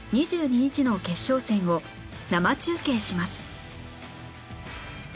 ２２日の決勝戦を生中継します